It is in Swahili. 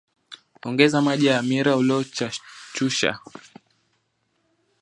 ongeza maji ya hamira uliyochachusha